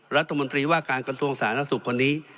รัฐมนตรีว่าการกระทรวงสาธารณสุขคนนี้